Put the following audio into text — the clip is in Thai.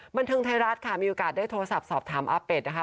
บันเทิงไทยรัฐค่ะมีโอกาสได้โทรศัพท์สอบถามอาเป็ดนะคะ